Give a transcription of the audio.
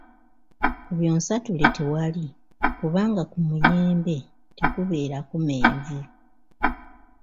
Ku byonsatule tewali kubanga ku muyembe tekubeerako menvu.